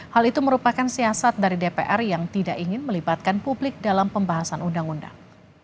hal itu merupakan siasat dari dpr yang tidak ingin melibatkan publik dalam pembahasan undang undang